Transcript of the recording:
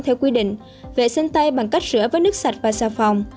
theo quy định vệ sinh tay bằng cách rửa với nước sạch và xà phòng